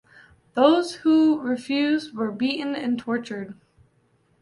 Those who refused were beaten and tortured.